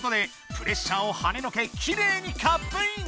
プレッシャーをはねのけきれいにカップイン！